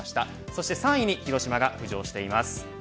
そして３位に広島が浮上しています。